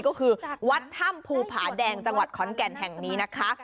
ก็คือวัดถ้ำภูผาแดงจังหวัดขอนแก่นแห่งนี้นะคะ